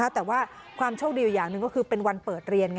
แต่ว่าความโชคดีอยู่อย่างหนึ่งก็คือเป็นวันเปิดเรียน